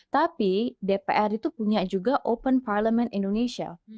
tapi dpr itu punya juga open parliament indonesia